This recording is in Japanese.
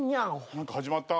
何か始まった。